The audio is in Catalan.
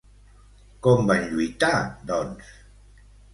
Com van lluitar, doncs?